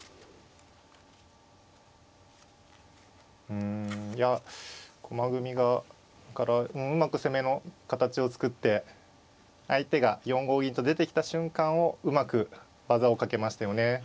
うんいや駒組みからうまく攻めの形を作って相手が４五銀と出てきた瞬間をうまく技をかけましたよね。